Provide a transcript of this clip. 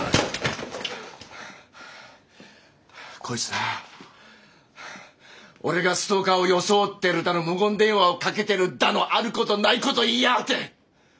こいつな俺がストーカーを装ってるだの無言電話をかけてるだのあることないこと言いやがって！